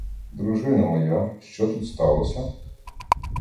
Дружино моя, що тут сталося?